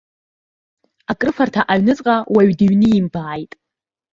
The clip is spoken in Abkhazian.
Акрыфарҭа аҩныҵҟа уаҩ дыҩнимбааит.